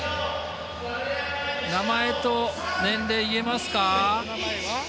名前と年齢、言えますか？